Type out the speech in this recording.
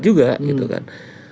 juga gitu kan